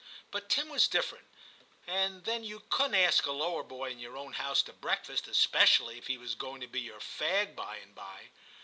But Tim was different ; and then you couldn't ask a lower boy in your own house to breakfast, especially if he was going to be your fag by and by.